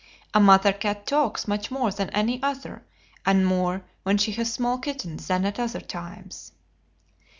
A mother cat "talks" much more than any other, and more when she has small kittens than at other times.